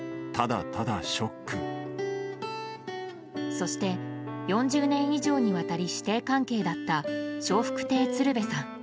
そして４０年以上にわたり師弟関係だった笑福亭鶴瓶さん。